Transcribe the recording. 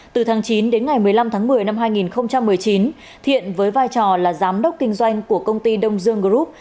từ tháng chín đến ngày một mươi năm tháng một mươi năm hai nghìn một mươi chín thiện với vai trò là giám đốc kinh doanh của công ty đông dương group